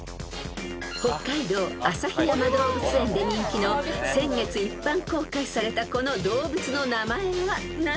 ［北海道旭山動物園で人気の先月一般公開されたこの動物の名前は何でしょう］